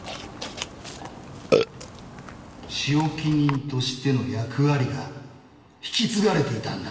仕置き人としての役割が引き継がれていたんだ。